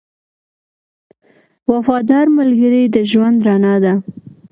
• وفادار ملګری د ژوند رڼا ده.